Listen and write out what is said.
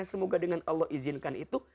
semoga dengan allah izinkan itu